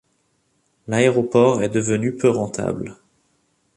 L'aéroport est devenu peu rentable.